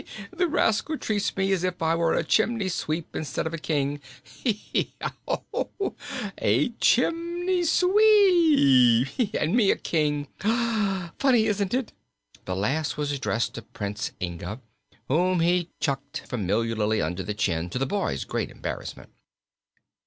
the rascal treats me as if I were a chimney sweep instead of a King. Heh, heh, heh, keek, eek! A chimney sweep hoo, hoo, hoo! and me a King! Funny, isn't it?" This last was addressed to Prince Inga, whom he chucked familiarly under the chin, to the boy's great embarrassment.